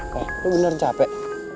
kau bener capek